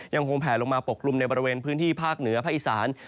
ยังคงแผลลงมาปกกลุ่มในบริเวณพื้นที่ภาคเหนือภาคอีสาน